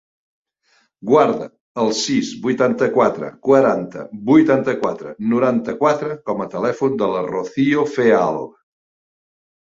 Guarda el sis, vuitanta-quatre, quaranta, vuitanta-quatre, noranta-quatre com a telèfon de la Rocío Feal.